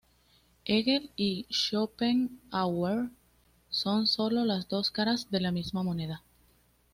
Hegel y Schopenhauer son sólo las dos caras de la misma moneda.